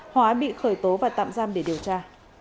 hóa bị khởi tố và tạm giam để điều tra